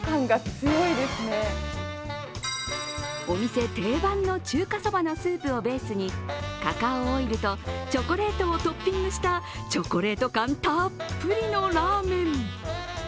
お店定番の中華そばのスープをベースにカカオオイルとチョコレートをトッピングしたチョコレート感たっぷりのラーメン。